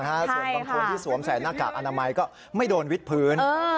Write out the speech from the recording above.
ส่วนบางคนที่สวมใส่หน้ากากอนามัยก็ไม่โดนวิทพื้น